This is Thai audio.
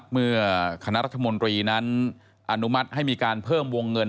เมื่อคณะรัฐมนตรีนั้นอนุมัติให้มีการเพิ่มวงเงิน